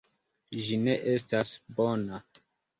Ĝi ne estas bona.